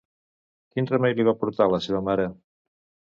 Quin remei li va portar la seva mare?